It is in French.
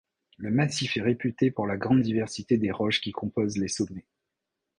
Le massif est réputé pour la grande diversité des roches qui composent les sommets.